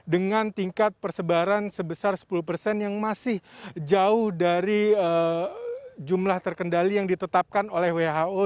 dengan tingkat persebaran sebesar sepuluh persen yang masih jauh dari jumlah terkendali yang ditetapkan oleh who